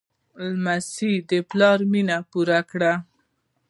لمسی د پلار مینه پوره کوي.